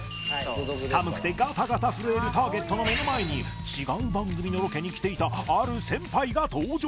寒くてガタガタ震えるターゲットの目の前に違う番組のロケに来ていたある先輩が登場